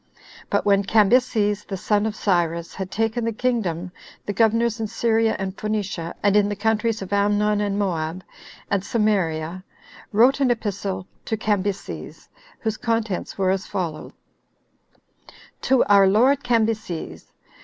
4 But when Cambyses, the son of Cyrus, had taken the kingdom, the governors in Syria, and Phoenicia, and in the countries of Ammon, and Moab, and Samaria, wrote an epistle to Cambyses; whose contents were as follow: "To our lord Cambyses.